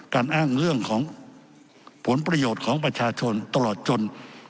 การอ้างเรื่องของผลประโยชน์ของประชาชนตลอดจน